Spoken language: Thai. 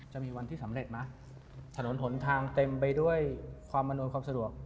จะมีวันที่สำเร็จไหมถนนหนทางเต็มไปด้วยความอำนวยความสะดวก